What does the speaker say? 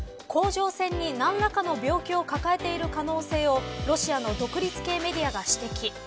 甲状腺に何らかの病気を抱えている可能性をロシアの独立系メディアが指摘。